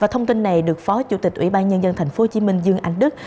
thông tin này được phó chủ tịch ủy ban nhân dân tp hcm dương anh đức